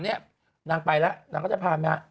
นี่นางไปแล้วนางก็จะพาแม่